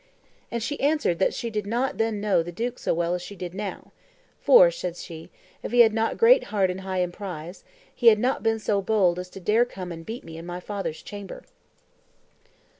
And she answered that she did not then know the duke so well as she did now; for, said she, if he had not great heart and high emprise, he had not been so bold as to dare come and beat me in my father's chamber."